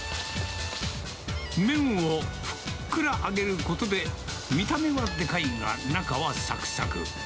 麺をふっくら揚げることで、見た目はでかいが中はさくさく。